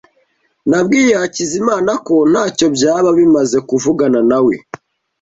Nabwiye Hakizimana ko ntacyo byaba bimaze kuvugana nawe.